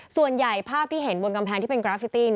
ภาพที่เห็นบนกำแพงที่เป็นกราฟิตี้